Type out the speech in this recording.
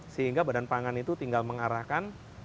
sehingga badan pangan itu tinggal mengarahkan